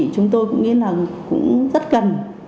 chúng tôi nghĩ là cũng rất cần